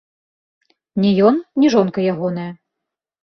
Ні ён, ні жонка ягоная.